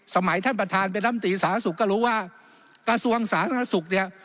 ท่านประธานเป็นลำตีสาธารณสุขก็รู้ว่ากระทรวงสาธารณสุขเนี่ย